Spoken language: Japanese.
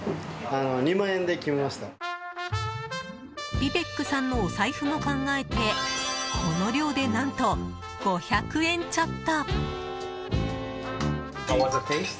ビベックさんのお財布も考えてこの量でなんと５００円ちょっと。